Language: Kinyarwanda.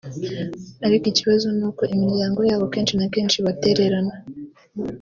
ariko ikibazo ni uko imiryango yabo kenshi na kenshi ibatererana